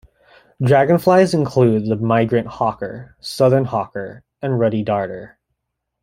Dragonflies include the migrant hawker, southern hawker and ruddy darter.